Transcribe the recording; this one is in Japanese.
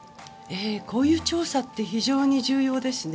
こういう調査って非常に重要ですね。